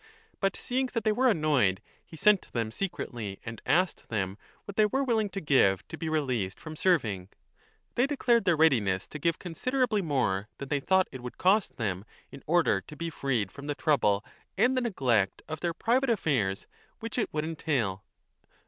But seeing that they were annoyed, he sent to them secretly and asked them what they were willing to give to be released from serving. They declared their readiness to give considerably 5 more than they thought it would cost them, in order to be freed from the trouble and the neglect of their private affairs which it would entail.